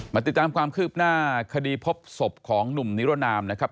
ติดตามความคืบหน้าคดีพบศพของหนุ่มนิรนามนะครับ